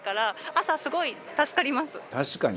「確かに。